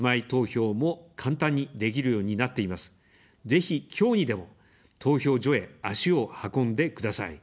ぜひ、きょうにでも投票所へ足を運んでください。